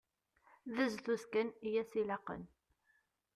D azduz kan i as-ilaqen.